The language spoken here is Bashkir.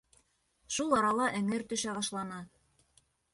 Шул арала эңер төшә башланы.